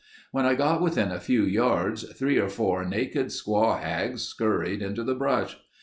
When I got within a few yards three or four naked squaw hags scurried into the brush.